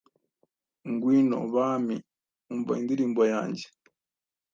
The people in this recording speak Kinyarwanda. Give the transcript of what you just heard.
Ngwino, bami, umva indirimbo yanjye: